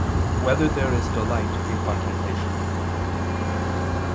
7] Whether There Is Delight in Contemplation?